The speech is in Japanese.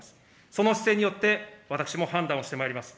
その姿勢によって、私も判断をしてまいります。